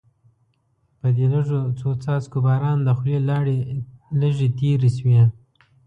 په دې لږو څو څاڅکو باران د خولې لاړې لږې تېرې شوې.